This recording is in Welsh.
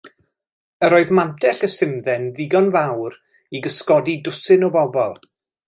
Yr oedd mantell y simdde'n ddigon mawr i gysgodi dwsin o bobl.